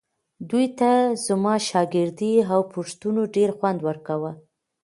دوی ته زما شاګردۍ او پوښتنو ډېر خوند ورکاوو.